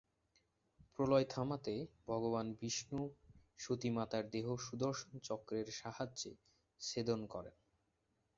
প্রলয় থামাতে ভগবান বিষ্ণু সতী মাতার দেহ সুদর্শন চক্রের সাহায্যে ছেদন করেন।